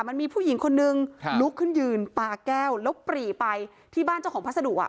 มันมีผู้หญิงคนนึงลุกขึ้นยืนปาแก้วแล้วปรีไปที่บ้านเจ้าของพัสดุอ่ะ